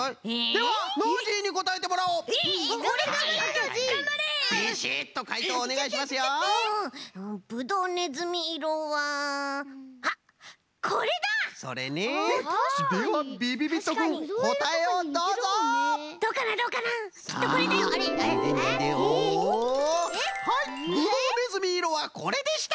はいぶどうねずみいろはこれでした！